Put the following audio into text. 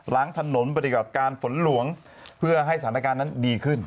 ล้างถนนปฏิบัติการฝนหลวงเพื่อให้สถานการณ์นั้นดีขึ้น